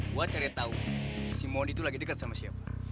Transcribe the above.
gue cari tahu si modi itu lagi dekat sama siapa